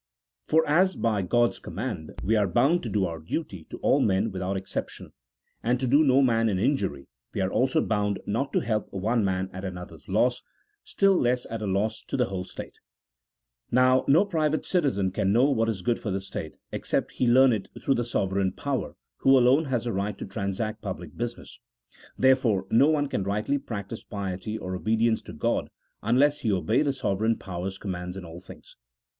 For as by God's command we are bound to do our duty to all men without exception, and to do no man an injury, we are also bound not to help one man at another's loss, still less at a loss to the whole state. Now, no private citizen can know what is good for the state, ex cept he learn it through the sovereign power, who alone has the right to transact public business : therefore no one can rightly practise piety or obedience to God, unless he obey the sovereign power's commands in all things.